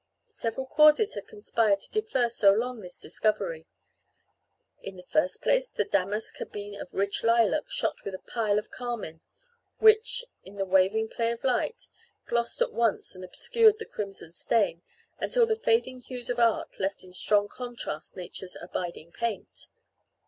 Several causes had conspired to defer so long this discovery. In the first place, the damask had been of rich lilac, shot with a pile of carmine, which, in the waving play of light, glossed at once and obscured the crimson stain, until the fading hues of art left in strong contrast nature's abiding paint.